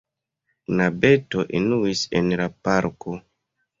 Knabeto enuis en la parko.